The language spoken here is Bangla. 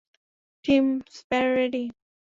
Team Sparrow ready?